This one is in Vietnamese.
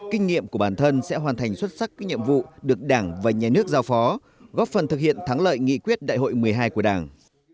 kinh nghiệm của bản thân sẽ hoàn thành xuất sắc các nhiệm vụ được đảng và nhà nước giao phó góp phần thực hiện thắng lợi nghị quyết đại hội một mươi hai của đảng